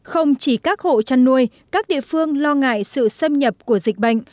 không chỉ các hộ chăn nuôi các địa phương lo ngại sự xâm nhập của dịch bệnh